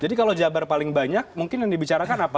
jadi kalau jabar paling banyak mungkin yang dibicarakan apa